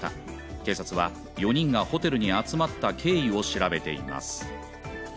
警察は、４人がホテルに集まった経緯を調べています。